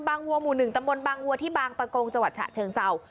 วัวหมู่๑ตำบลบางวัวที่บางประกงจังหวัดฉะเชิงเศร้า